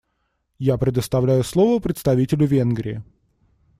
Я предоставляю слово представителю Венгрии.